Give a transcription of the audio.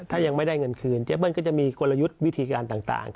ถ้ายังไม่ได้เงินคืนเจ๊เบิ้ลก็จะมีกลยุทธ์วิธีการต่าง